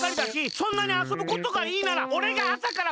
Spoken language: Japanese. そんなにあそぶことがいいならおれがあさからばんまであそびます！